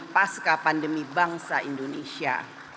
pasca pandemi bangsa indonesia